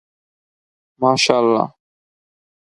ماشاءالله